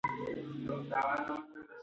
خو تر ټولو زیات پښتون بې عزته شوی دی.